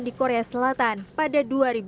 di korea selatan pada dua ribu dua